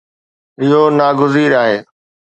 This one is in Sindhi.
اهو ناگزير آهي